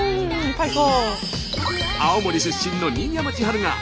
最高！